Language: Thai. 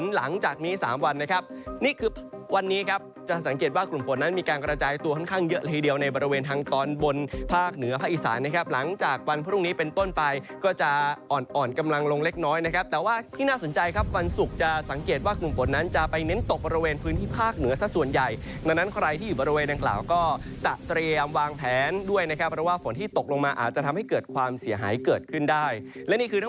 หลังจากนี้๓วันนะครับนี่คือวันนี้ครับจะสังเกตว่ากลุ่มฝนนั้นมีการกระจายตัวค่อนข้างเยอะละทีเดียวในบริเวณทางตอนบนภาคเหนือภาคอีสานนะครับหลังจากวันพรุ่งนี้เป็นต้นไปก็จะอ่อนกำลังลงเล็กน้อยนะครับแต่ว่าที่น่าสนใจครับวันศุกร์จะสังเกตว่ากลุ่มฝนนั้นจะไปเน้นตกบริเวณพื้